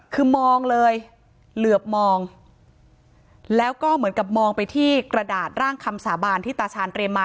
คือมองเลยเหลือบมองแล้วก็เหมือนกับมองไปที่กระดาษร่างคำสาบานที่ตาชาญเรียมมา